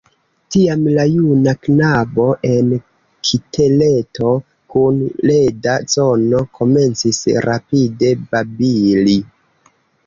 Tiam la juna knabo en kiteleto kun leda zono komencis rapide babili.